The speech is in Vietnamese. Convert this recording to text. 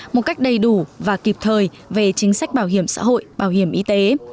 một cách đầy đủ và kịp thời về chính sách bảo hiểm xã hội bảo hiểm y tế